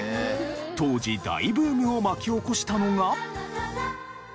当時大ブームを巻き起こしたのが。